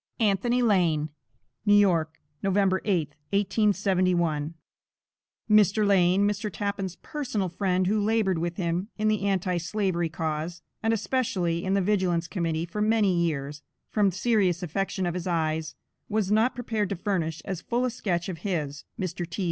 ANTHONY LANE. New York, Nov. 8, 1871. Mr. Lane, Mr. Tappan's personal friend who labored with him in the Anti Slavery Cause, and especially in the Vigilance Committee for many years, from serious affection of his eyes was not prepared to furnish as full a sketch of his (Mr. T.'